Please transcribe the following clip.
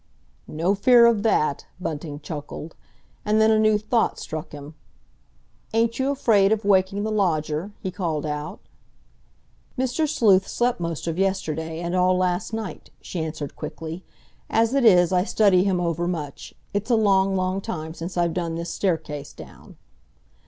"No fear of that!" Bunting chuckled. And then a new thought struck him. "Ain't you afraid of waking the lodger?" he called out. "Mr. Sleuth slept most of yesterday, and all last night," she answered quickly. "As it is, I study him over much; it's a long, long time since I've done this staircase down."